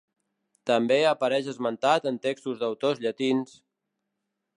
També apareix esmentat en textos d'autors llatins: